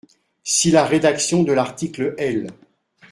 Si la rédaction de l’article L.